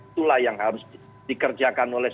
itulah yang harus dikerjakan oleh